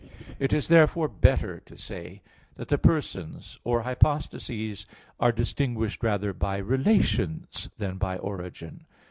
It is therefore better to say that the persons or hypostases are distinguished rather by relations than by origin.